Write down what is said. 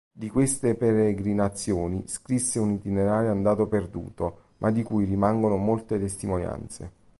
Di queste peregrinazioni scrisse un itinerario andato perduto, ma di cui rimangono molte testimonianze.